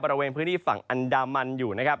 บริเวณพื้นที่ฝั่งอันดามันอยู่นะครับ